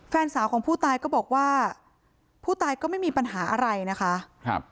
แฟนสาวของผู้ตายก็บอกว่าผู้ตายก็ไม่มีปัญหาอะไรนะคะครับ